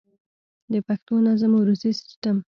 د پښتو نظم عروضي سيسټم